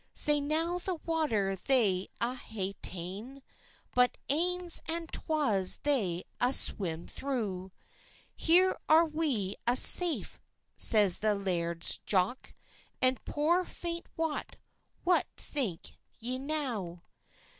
Sae now the water they a' hae tane, By anes and 'twas they a' swam through "Here are we a' safe," says the Laird's Jock, "And, poor faint Wat, what think ye now?"